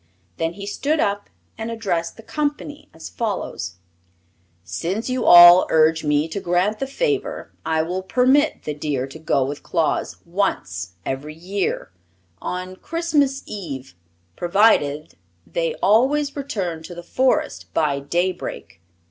Then he stood up and addressed the company as follows: "Since you all urge me to grant the favor I will permit the deer to go with Claus once every year, on Christmas Eve, provided they always return to the Forest by daybreak.